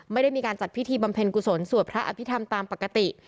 ไม่ได้มีการจัดพิธีบำเพ็ญกุศลสวดพระอภิษฐรรมตามปกติ